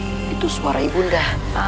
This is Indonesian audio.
itu suara ibunda